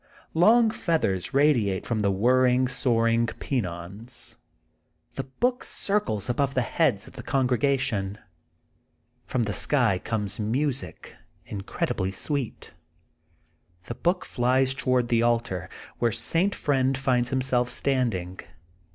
Long feathers radiate from the whirring, soaring pennons. The book circles above the heads of the congregation. From the sky comes music incredibly sweet. The book flies toward the altar, where St. Friend finds himself standing.